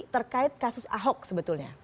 terkait kasus ahok sebetulnya